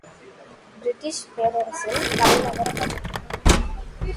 British பேரரசின் தலைநகரம் அது.